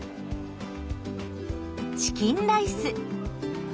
チキンライス。